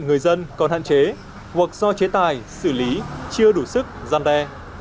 người dân còn hạn chế hoặc do chế tài xử lý chưa đủ sức gian đe